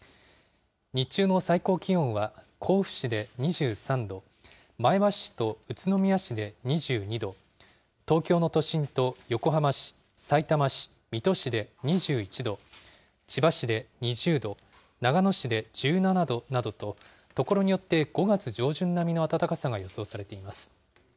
日中の最高気温は、甲府市で２３度、前橋市と宇都宮市で２２度、東京の都心と横浜市、さいたま市、水戸市で２１度、千葉市で２０度、長野市で１７度などと、所によって５月上旬並みの暖かさが予想されています。